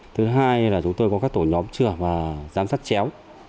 thứ hai là chúng tôi có các tổ nhóm chừa và giám sát chéo